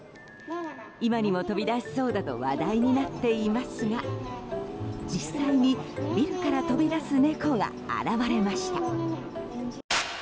今にも飛び出しそうだと話題になっていますが実際にビルから飛び出す猫が現れました。